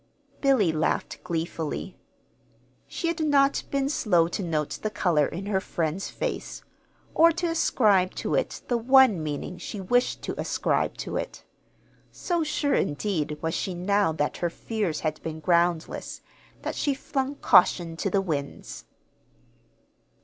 Billy laughed gleefully. She had not been slow to note the color in her friend's face, or to ascribe to it the one meaning she wished to ascribe to it. So sure, indeed, was she now that her fears had been groundless, that she flung caution to the winds.